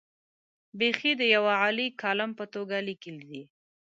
بېخي د یوه عالي کالم په توګه لیکلي دي.